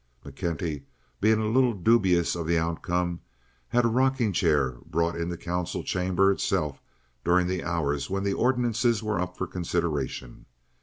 McKenty, being a little dubious of the outcome, had a rocking chair brought into the council chamber itself during the hours when the ordinances were up for consideration.